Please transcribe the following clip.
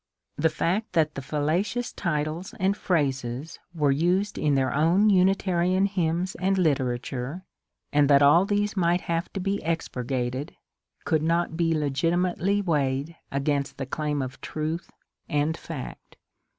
The fact that the fallacious titles and phrases were used in their own Unitarian hymns and literature, and that all these might have to be expurgated, could not be legitimately weighed against the claim of truth and fact.